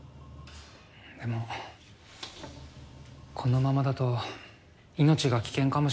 でもこのままだと命が危険かもしれません。